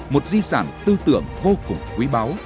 một di sản tư tưởng vô cùng quý báu